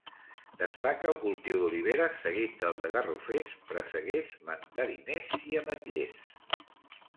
Destaca el cultiu d'oliveres seguit del de garrofers, presseguers, mandariners i ametllers.